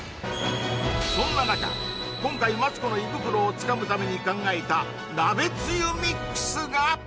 そんな中今回マツコの胃袋を掴むために考えた鍋つゆミックスが！